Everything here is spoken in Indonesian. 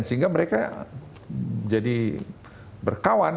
sehingga mereka jadi berkawan